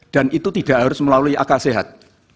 dan itu tidak harus melalui akal sehat